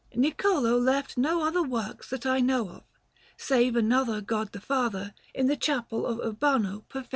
Niccolò left no other works that I know of, save another God the Father in the Chapel of Urbano Perfetto.